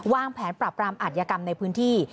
วางแผนปรับรามอัธยกรรมในพื้นที่